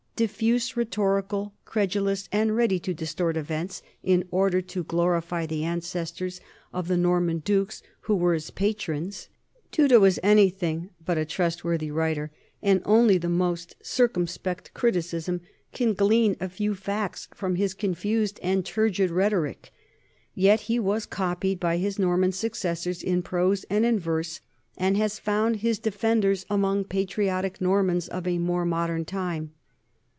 Diffuse, rhetorical, credulous, and ready to distort events in order to glorify the ancestors of the Norman dukes who were his patrons, Dudo is any thing but a trustworthy writer, and only the most cir cumspect criticism can glean a few facts from his con fused and turgid rhetoric. Yet he was copied by his Norman successors, in prose and in verse, and has found his defenders among patriotic Normans of a more mod ern time.